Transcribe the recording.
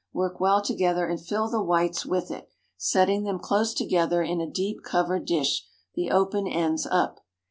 Work well together and fill the whites with it, setting them close together in a deep covered dish, the open ends up.